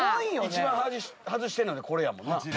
一番外してんのでこれやもんな。